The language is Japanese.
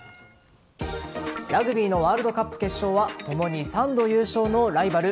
ラグビーのワールドカップ決勝は共に３度優勝のライバル